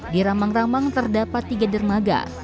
di ramang ramang terdapat tiga dermaga